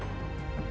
dia juga menangis